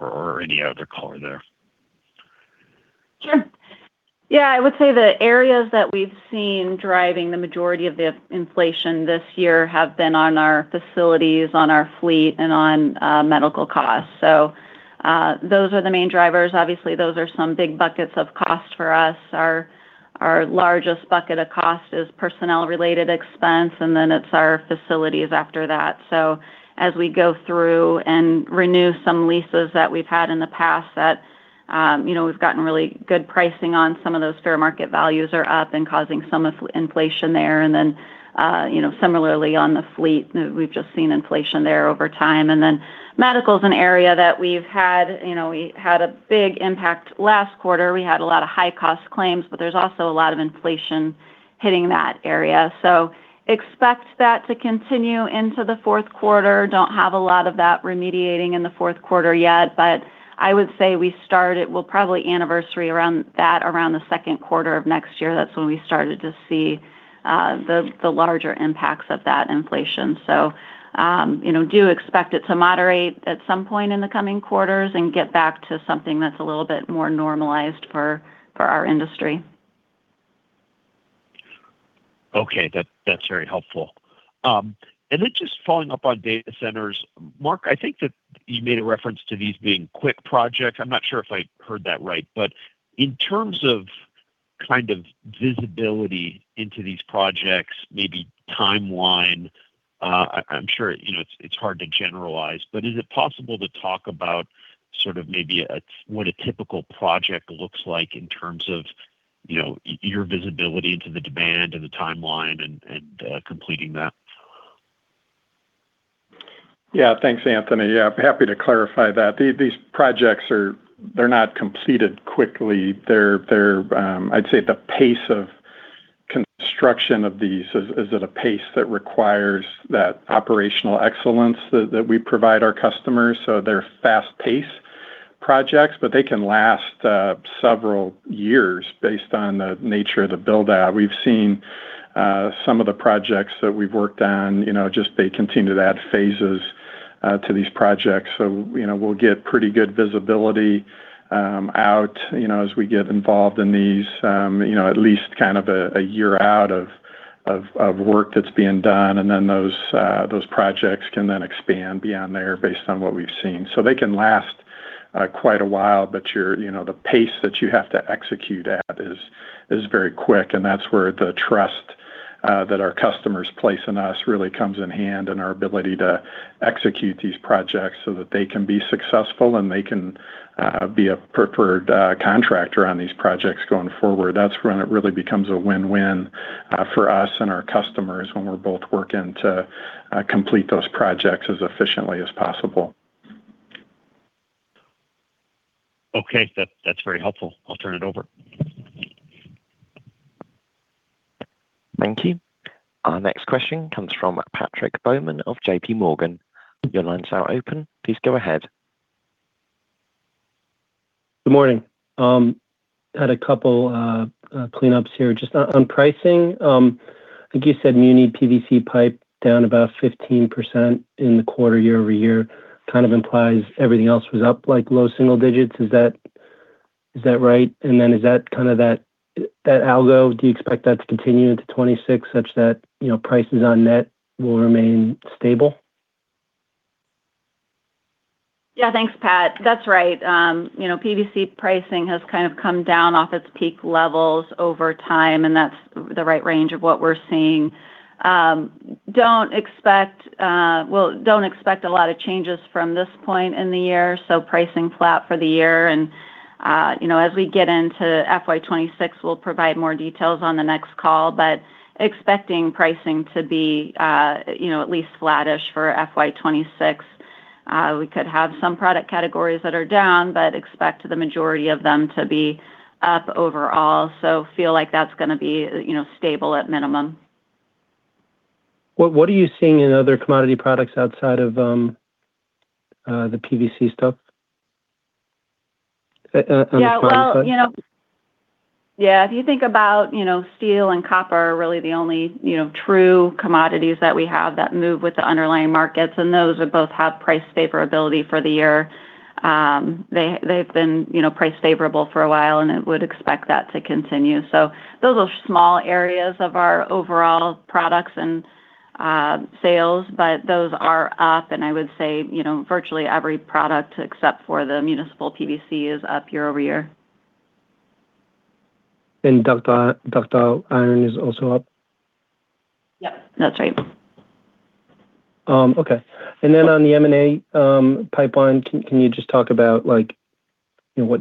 Speaker 10: or any other color there.
Speaker 4: Sure. Yeah. I would say the areas that we've seen driving the majority of the inflation this year have been on our facilities, on our fleet, and on medical costs. So those are the main drivers. Obviously, those are some big buckets of cost for us. Our largest bucket of cost is personnel-related expense, and then it's our facilities after that. So as we go through and renew some leases that we've had in the past that we've gotten really good pricing on, some of those fair market values are up and causing some inflation there. And then similarly on the fleet, we've just seen inflation there over time. And then medical is an area that we've had. We had a big impact last quarter. We had a lot of high-cost claims, but there's also a lot of inflation hitting that area. So expect that to continue into the fourth quarter. Don't have a lot of that remediating in the fourth quarter yet, but I would say we started, well, probably anniversary around that, around the second quarter of next year. That's when we started to see the larger impacts of that inflation. So do expect it to moderate at some point in the coming quarters and get back to something that's a little bit more normalized for our industry.
Speaker 10: Okay. That's very helpful. And then just following up on data centers, Mark, I think that you made a reference to these being quick projects. I'm not sure if I heard that right, but in terms of kind of visibility into these projects, maybe timeline, I'm sure it's hard to generalize, but is it possible to talk about sort of maybe what a typical project looks like in terms of your visibility into the demand and the timeline and completing that?
Speaker 3: Yeah. Thanks, Anthony. Yeah. I'm happy to clarify that. These projects, they're not completed quickly. I'd say the pace of construction of these is at a pace that requires that operational excellence that we provide our customers. So they're fast-paced projects, but they can last several years based on the nature of the build-out. We've seen some of the projects that we've worked on, just they continue to add phases to these projects. We'll get pretty good visibility out as we get involved in these, at least kind of a year out of work that's being done, and then those projects can then expand beyond there based on what we've seen. So they can last quite a while, but the pace that you have to execute at is very quick, and that's where the trust that our customers place in us really comes in hand in our ability to execute these projects so that they can be successful and they can be a preferred contractor on these projects going forward. That's when it really becomes a win-win for us and our customers when we're both working to complete those projects as efficiently as possible.
Speaker 10: Okay. That's very helpful. I'll turn it over.
Speaker 1: Thank you. Our next question comes from Patrick Baumann of J.P. Morgan. Your line is now open. Please go ahead.
Speaker 11: Good morning. Had a couple of cleanups here. Just on pricing, I think you said muni PVC pipe down about 15% in the quarter year-over-year. Kind of implies everything else was up like low single digits. Is that right? And then is that kind of that algo? Do you expect that to continue into 2026 such that prices on net will remain stable?
Speaker 4: Yeah. Thanks, Pat. That's right. PVC pricing has kind of come down off its peak levels over time, and that's the right range of what we're seeing. Well, don't expect a lot of changes from this point in the year, so pricing flat for the year. And as we get into FY 2026, we'll provide more details on the next call, but expecting pricing to be at least flattish for FY 2026. We could have some product categories that are down, but expect the majority of them to be up overall. So feel like that's going to be stable at minimum.
Speaker 11: What are you seeing in other commodity products outside of the PVC stuff?
Speaker 4: Yeah. Well, yeah. If you think about steel and copper are really the only true commodities that we have that move with the underlying markets, and those both have price favorability for the year. They've been price favorable for a while, and I would expect that to continue. So those are small areas of our overall products and sales, but those are up, and I would say virtually every product except for the municipal PVC is up year over year,
Speaker 11: and ductile iron is also up?
Speaker 4: Yep. That's right.
Speaker 11: Okay, and then on the M&A pipeline, can you just talk about what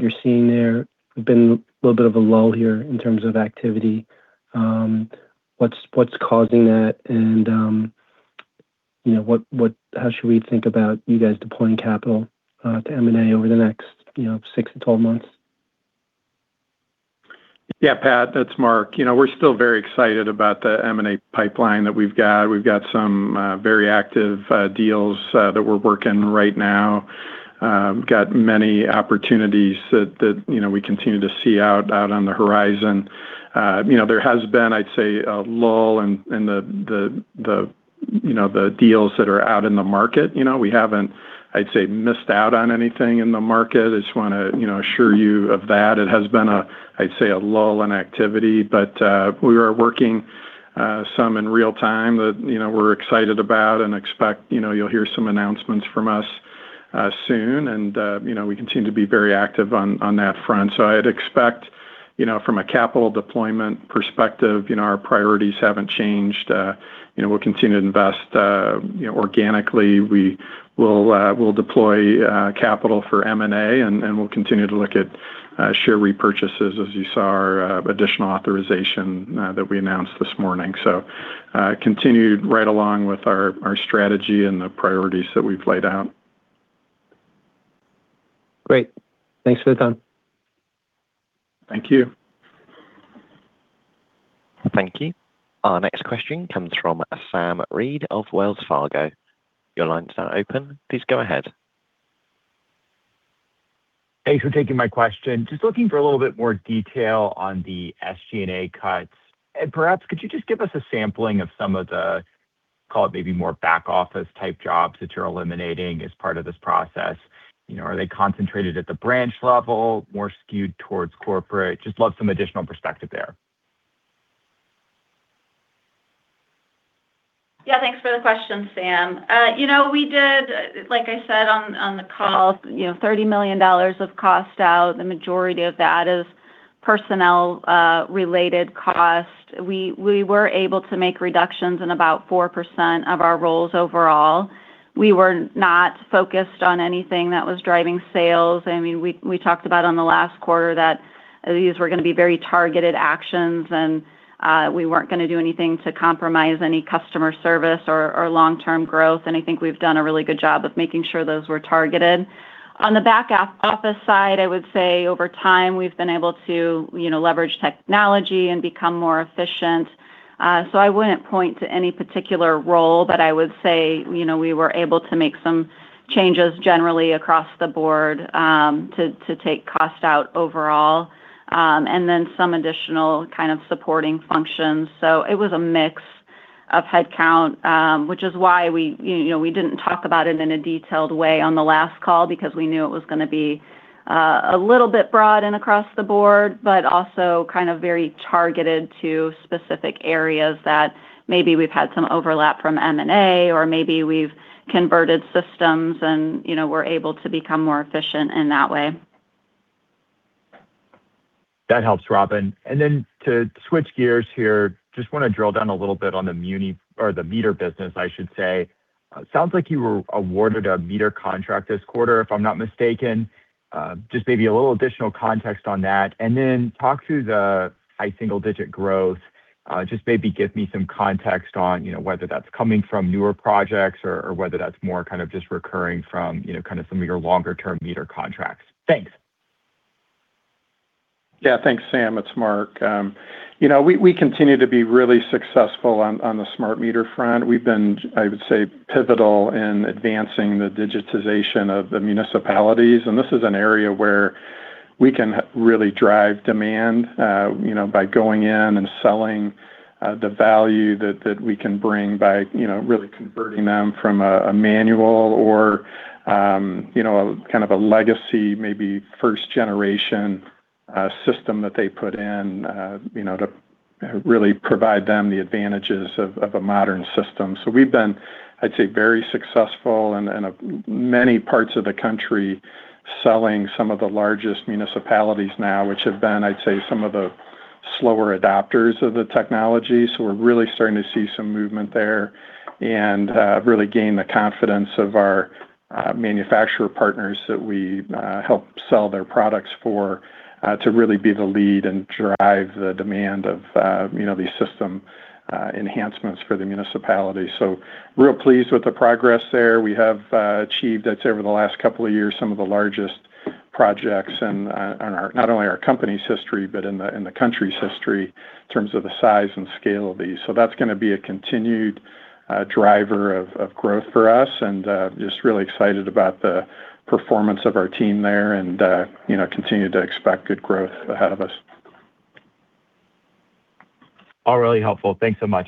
Speaker 11: you're seeing there? There's been a little bit of a lull here in terms of activity. What's causing that, and how should we think about you guys deploying capital to M&A over the next six to 12 months?
Speaker 3: Yeah, Pat, that's Mark. We're still very excited about the M&A pipeline that we've got. We've got some very active deals that we're working right now. We've got many opportunities that we continue to see out on the horizon. There has been, I'd say, a lull in the deals that are out in the market. We haven't, I'd say, missed out on anything in the market. I just want to assure you of that. It has been, I'd say, a lull in activity, but we are working some in real time that we're excited about and expect you'll hear some announcements from us soon, and we continue to be very active on that front. So I'd expect from a capital deployment perspective, our priorities haven't changed. We'll continue to invest organically. We'll deploy capital for M&A, and we'll continue to look at share repurchases, as you saw our additional authorization that we announced this morning. So continue right along with our strategy and the priorities that we've laid out.
Speaker 11: Great. Thanks for the time.
Speaker 3: Thank you.
Speaker 1: Thank you. Our next question comes from Sam Reid of Wells Fargo. Your line is now open. Please go ahead.
Speaker 12: Thanks for taking my question. Just looking for a little bit more detail on the SG&A cuts. And perhaps, could you just give us a sampling of some of the, call it maybe more back-office type jobs that you're eliminating as part of this process? Are they concentrated at the branch level, more skewed towards corporate? Just love some additional perspective there.
Speaker 4: Yeah. Thanks for the question, Sam. We did, like I said on the call, $30 million of cost out. The majority of that is personnel-related cost. We were able to make reductions in about 4% of our roles overall. We were not focused on anything that was driving sales. I mean, we talked about on the last quarter that these were going to be very targeted actions, and we weren't going to do anything to compromise any customer service or long-term growth, and I think we've done a really good job of making sure those were targeted. On the back-office side, I would say over time, we've been able to leverage technology and become more efficient, so I wouldn't point to any particular role, but I would say we were able to make some changes generally across the board to take cost out overall, and then some additional kind of supporting functions. So it was a mix of headcount, which is why we didn't talk about it in a detailed way on the last call because we knew it was going to be a little bit broad and across the board, but also kind of very targeted to specific areas that maybe we've had some overlap from M&A, or maybe we've converted systems and were able to become more efficient in that way.
Speaker 12: That helps, Robyn. And then to switch gears here, just want to drill down a little bit on the meter business, I should say. Sounds like you were awarded a meter contract this quarter, if I'm not mistaken. Just maybe a little additional context on that. And then talk through the high single-digit growth. Just maybe give me some context on whether that's coming from newer projects or whether that's more kind of just recurring from kind of some of your longer-term meter contracts. Thanks.
Speaker 3: Yeah. Thanks, Sam. It's Mark. We continue to be really successful on the smart meter front. We've been, I would say, pivotal in advancing the digitization of the municipalities. And this is an area where we can really drive demand by going in and selling the value that we can bring by really converting them from a manual or kind of a legacy, maybe first-generation system that they put in to really provide them the advantages of a modern system. So we've been, I'd say, very successful in many parts of the country selling some of the largest municipalities now, which have been, I'd say, some of the slower adopters of the technology. So, we're really starting to see some movement there and really gain the confidence of our manufacturer partners that we help sell their products for to really be the lead and drive the demand of these system enhancements for the municipalities. So, really pleased with the progress there. We have achieved, I'd say, over the last couple of years, some of the largest projects in not only our company's history but in the country's history in terms of the size and scale of these. So, that's going to be a continued driver of growth for us, and just really excited about the performance of our team there and continue to expect good growth ahead of us.
Speaker 12: All really helpful. Thanks so much.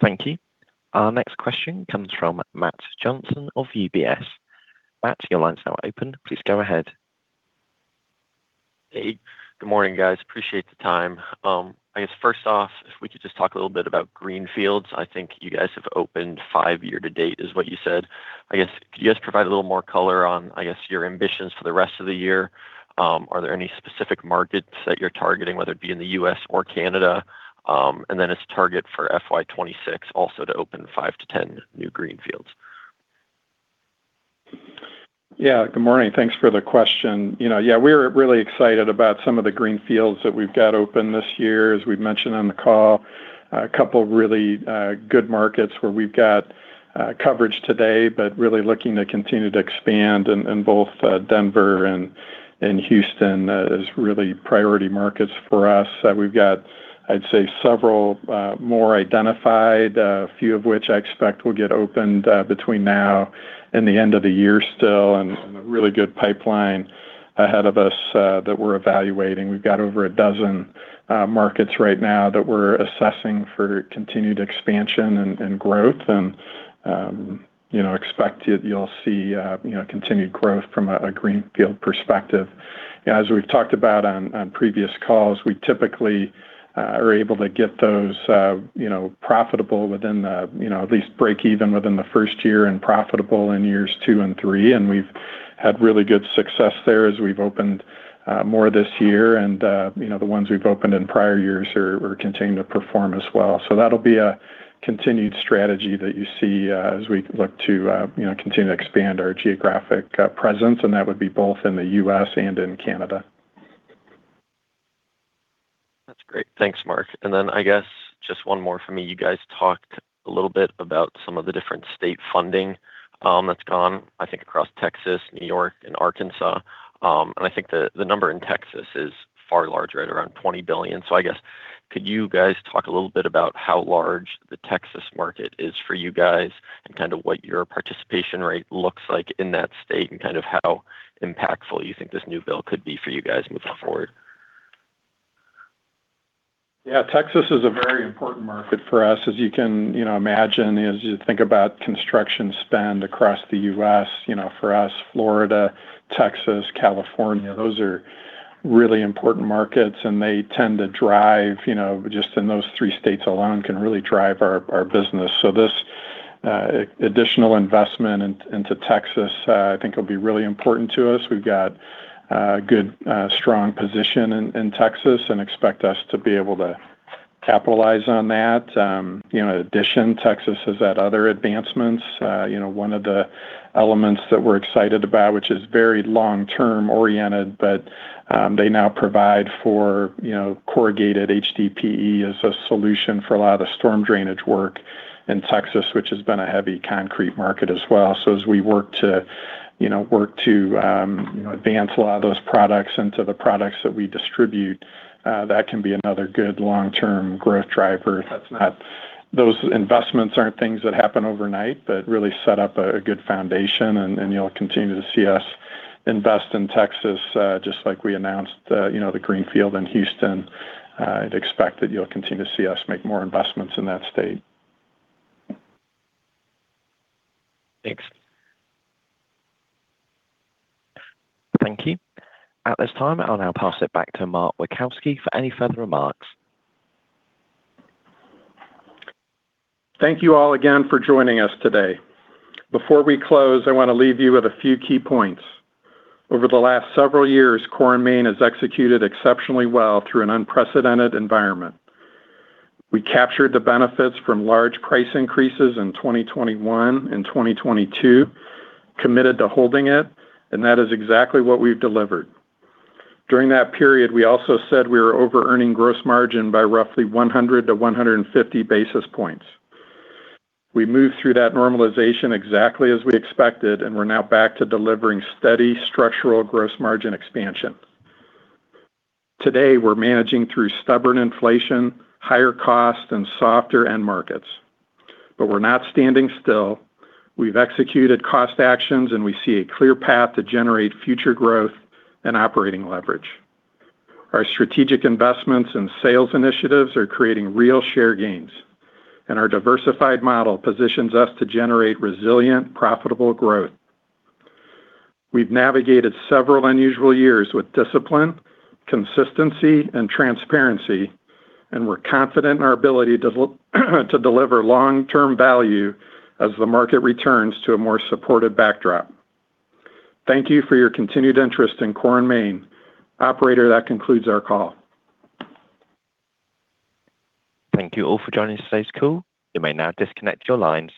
Speaker 1: Thank you. Our next question comes from Matt Johnson of UBS. Matt, your line is now open. Please go ahead.
Speaker 13: Hey. Good morning, guys. Appreciate the time. I guess, first off, if we could just talk a little bit about greenfields. I think you guys have opened five years to date, is what you said. I guess, could you guys provide a little more color on, I guess, your ambitions for the rest of the year? Are there any specific markets that you're targeting, whether it be in the U.S. or Canada? And then it's target for FY 2026 also to open five to 10 new greenfields.
Speaker 3: Yeah. Good morning. Thanks for the question. Yeah. We're really excited about some of the greenfields that we've got open this year, as we've mentioned on the call. A couple of really good markets where we've got coverage today, but really looking to continue to expand in both Denver and Houston as really priority markets for us. We've got, I'd say, several more identified, a few of which I expect will get opened between now and the end of the year still, and a really good pipeline ahead of us that we're evaluating. We've got over a dozen markets right now that we're assessing for continued expansion and growth, and expect that you'll see continued growth from a greenfield perspective. As we've talked about on previous calls, we typically are able to get those profitable within the at least break even within the first year and profitable in years two and three, and we've had really good success there as we've opened more this year, and the ones we've opened in prior years are continuing to perform as well. So that'll be a continued strategy that you see as we look to continue to expand our geographic presence, and that would be both in the U.S. and in Canada.
Speaker 13: That's great. Thanks, Mark. And then I guess just one more from me. You guys talked a little bit about some of the different state funding that's gone, I think, across Texas, New York, and Arkansas. And I think the number in Texas is far larger, at around $20 billion. So I guess, could you guys talk a little bit about how large the Texas market is for you guys and kind of what your participation rate looks like in that state and kind of how impactful you think this new bill could be for you guys moving forward?
Speaker 3: Yeah. Texas is a very important market for us, as you can imagine. As you think about construction spend across the U.S., for us, Florida, Texas, California, those are really important markets, and they tend to drive just in those three states alone can really drive our business. So this additional investment into Texas, I think, will be really important to us. We've got a good, strong position in Texas and expect us to be able to capitalize on that. In addition, Texas has had other advancements. One of the elements that we're excited about, which is very long-term oriented, but they now provide for corrugated HDPE as a solution for a lot of the storm drainage work in Texas, which has been a heavy concrete market as well. So as we work to advance a lot of those products into the products that we distribute, that can be another good long-term growth driver. Those investments aren't things that happen overnight, but really set up a good foundation, and you'll continue to see us invest in Texas, just like we announced the greenfield in Houston. I'd expect that you'll continue to see us make more investments in that state.
Speaker 13: Thanks.
Speaker 1: Thank you. At this time, I'll now pass it back to Mark Witkowski for any further remarks.
Speaker 3: Thank you all again for joining us today. Before we close, I want to leave you with a few key points. Over the last several years, Core & Main has executed exceptionally well through an unprecedented environment. We captured the benefits from large price increases in 2021 and 2022, committed to holding it, and that is exactly what we've delivered. During that period, we also said we were over-earning gross margin by roughly 100-150 basis points. We moved through that normalization exactly as we expected, and we're now back to delivering steady structural gross margin expansion. Today, we're managing through stubborn inflation, higher costs, and softer end markets. But we're not standing still. We've executed cost actions, and we see a clear path to generate future growth and operating leverage. Our strategic investments and sales initiatives are creating real share gains, and our diversified model positions us to generate resilient, profitable growth. We've navigated several unusual years with discipline, consistency, and transparency, and we're confident in our ability to deliver long-term value as the market returns to a more supported backdrop. Thank you for your continued interest in Core & Main. Operator, that concludes our call.
Speaker 1: Thank you all for joining us today's call. You may now disconnect your lines.